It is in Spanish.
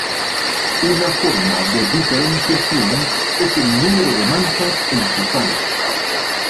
Una forma de diferenciación es el número de manchas en sus alas.